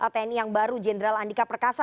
tni yang baru jenderal andika perkasa